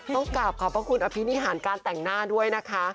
ต้องกราบขอบพระคุณอภินิหารการแต่งหน้าด้วยนะคะ